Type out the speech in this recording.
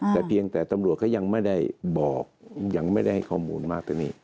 แต่เพียงแต่ตำรวจเขายังไม่ได้บอกยังไม่ได้ให้ข้อมูลมากกว่านี้